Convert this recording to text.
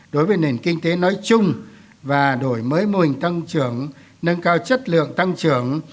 đối với nền kinh tế nói chung và đổi mới mô hình tăng trưởng nâng cao chất lượng tăng trưởng